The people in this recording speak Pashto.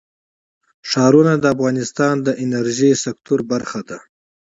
ښارونه د افغانستان د انرژۍ سکتور برخه ده.